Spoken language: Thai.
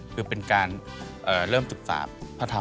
คือเป็นการเริ่มศึกษาพระธรรม